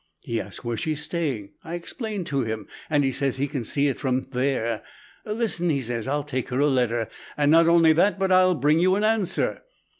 He asks where she's staying. I explain to him, and he says he can see it from there. 'Listen,' he says, 'I'll take her a letter, and not only that, but I'll bring you an answer.'